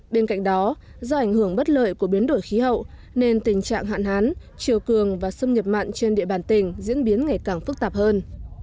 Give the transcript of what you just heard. bên cạnh đó do ảnh hưởng bất lợi của biến đổi khí hậu nên tình trạng hạn hán chiều cường và xâm nhập mặn trên địa bàn tỉnh diễn biến ngày càng phức tạp hơn